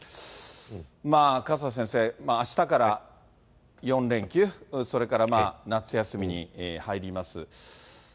勝田先生、あしたから４連休、それから夏休みに入ります。